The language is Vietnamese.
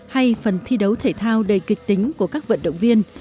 hay phần thi đấu thể thao đầy kịch tính của các vận động viên